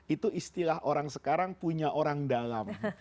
itu istilah orang sekarang punya orang dalam